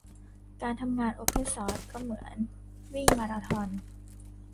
การทำงานโอเพนซอร์สก็เหมือนวิ่งมาราธอน